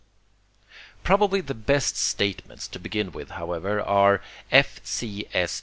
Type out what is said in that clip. Probably the best statements to begin with however, are F. C. S.